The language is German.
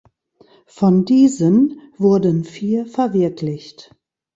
Von diesen wurden vier verwirklicht.